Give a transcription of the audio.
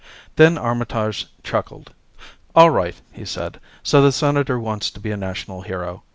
Then Armitage chuckled. "All right," he said. "So the Senator wants to be a national hero.